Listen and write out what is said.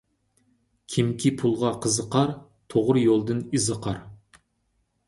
كىمكى پۇلغا قىزىقار، توغرا يولدىن ئېزىقار.